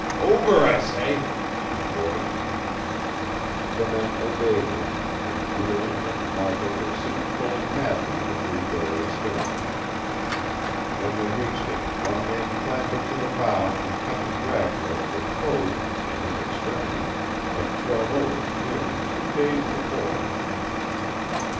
"Over, I say!" he roared. The men obeyed him, and Wheelan and Markle were soon pulling madly to the blue dory astern. When they reached it one man clambered to the bow and cut the drag rope that Code, in his extremity, had thrown over nearly two days before.